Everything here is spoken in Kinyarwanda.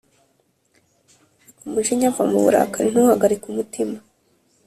Reka umujinya, va mu burakari, ntuhagarike umutima